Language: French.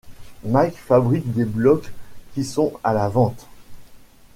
Mike fabrique des blocs qui sont à la vente.